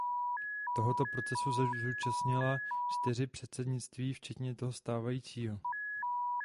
Tohoto procesu se zúčastnila čtyři předsednictví včetně toho stávajícího.